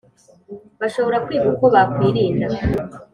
Bashobora kwiga uko bakwirinda